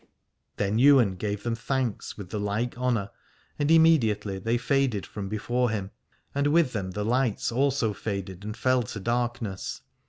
Then Ywain gave them thanks with the like honour, and immediately they faded from before him, and with them the lights also faded and fell to darkness.